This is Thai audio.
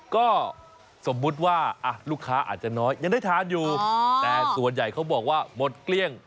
ก็สมมุติว่าลูกค้าอาจจะน้อยยังได้ทานอยู่แต่ส่วนใหญ่เขาบอกว่าหมดเกลี้ยง